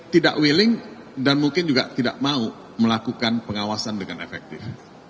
tidak willing dan mungkin juga tidak mau melakukan pengawasan dengan efektif